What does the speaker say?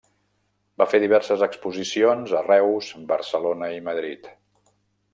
Va fer diverses exposicions a Reus, Barcelona i Madrid.